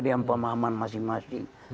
dengan pemahaman masing masing